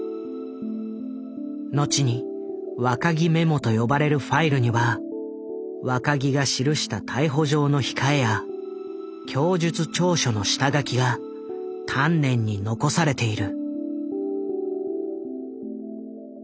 後に「若木メモ」と呼ばれるファイルには若木が記した逮捕状の控えや供述調書の下書きが丹念に残されている。